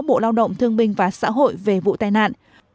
bộ lao động thương binh và xã hội về vụ tai nạn